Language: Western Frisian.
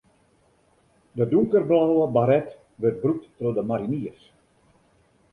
De donkerblauwe baret wurdt brûkt troch de mariniers.